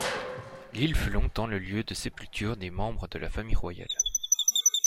L'île fut longtemps le lieu de sépulture des membres de la famille royale.